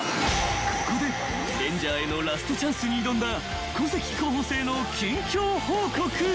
［ここでレンジャーへのラストチャンスに挑んだ小関候補生の近況報告］